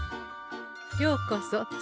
ようこそ銭